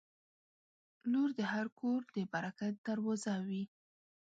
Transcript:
• لور د هر کور د برکت دروازه وي.